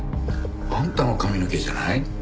あんたの髪の毛じゃない？